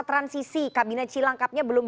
transisi kabinet cilangkapnya belum